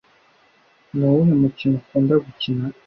Nuwuhe mukino ukunda gukina?